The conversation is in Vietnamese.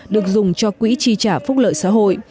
được dùng cho quỹ chi trả phúc lợi xã hội